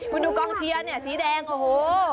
คุณดูกองเชียร์เนี่ยสีแดงโอ้โห